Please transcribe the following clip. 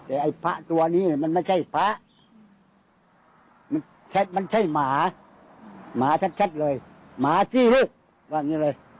แต่ไอ้ภะตัวนี้มันไม่ใช่ภะมันใช่มันใช่หมาหมาชัดชัดเลยหมาจี้หรือก็แบบนี้เลย